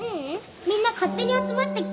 みんな勝手に集まってきたんだ。